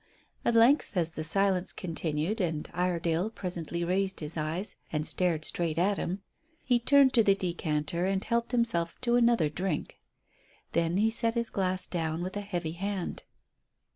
At length, as the silence continued, and Iredale presently raised his eyes and stared straight at him, he turned to the decanter and helped himself to another drink. Then he set his glass down with a heavy hand.